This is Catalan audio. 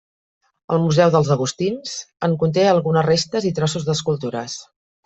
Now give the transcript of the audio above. El Museu dels Agustins en conté algunes restes i trossos d'escultures.